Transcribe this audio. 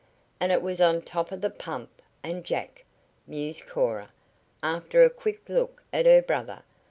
"And it was on top of the pump and jack," mused Cora, after a quick look at her brother.